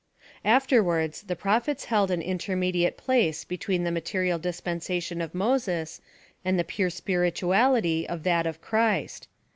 Afterwards the prophets held an intermediate place between the material dispensation of Moses and the pure spirituality of that of Christ.